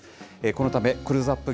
このため、クローズアップ